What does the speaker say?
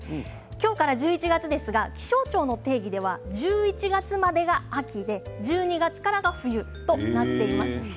今日から１１月ですが気象庁の定義では１１月までが秋で１２月からが冬となっています。